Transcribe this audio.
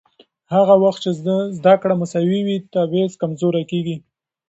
هغه وخت چې زده کړه مساوي وي، تبعیض کمزورې کېږي.